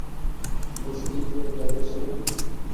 বসিতে কি আর জায়গা ছিল না।